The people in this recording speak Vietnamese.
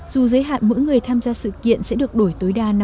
dù giới hạn mỗi người tham gia sự kiện sẽ được đổi tối đa